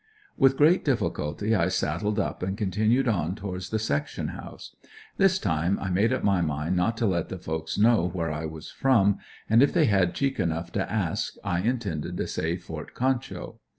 With great difficulty I saddled up and continued on towards the section house. This time I made up my mind not to let the folks know where I was from, and if they had cheek enough to ask I intended to say Ft. Concho.